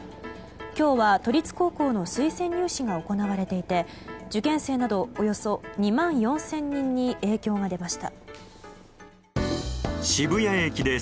今日は都立高校の推薦入試が行われていて受験生などおよそ２万４０００人に影響が出ました。